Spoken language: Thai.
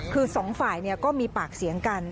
คือสองฝ่ายก็มีปากเสียงกัน